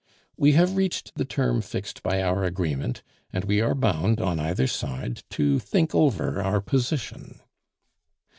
We have reached the term fixed by our agreement, and we are bound on either side to think over our position."